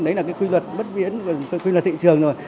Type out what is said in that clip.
đấy là cái quy luật bất biến quy luật thị trường rồi